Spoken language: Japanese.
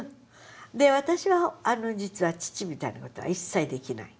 私は実は父みたいな事は一切できない。